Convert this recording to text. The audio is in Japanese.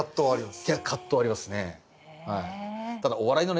はい。